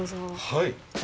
はい。